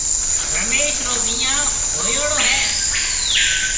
رميش رو ويهان هوئيوڙو هيَ۔